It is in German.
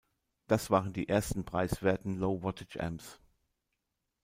Das waren die ersten preiswerten Low-Wattage-Amps.